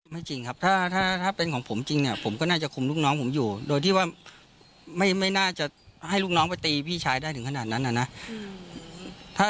จริงครับถ้าเป็นของผมจริงเนี่ยผมก็น่าจะคุมลูกน้องผมอยู่โดยที่ว่าไม่น่าจะให้ลูกน้องไปตีพี่ชายได้ถึงขนาดนั้นนะ